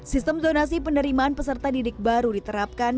sistem zonasi penerimaan peserta didik baru diterapkan